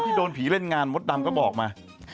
โดนผีเล่นงานมดดำก็บอกมา